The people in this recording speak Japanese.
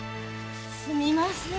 すみません。